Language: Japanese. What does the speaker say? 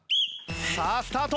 さあスタート！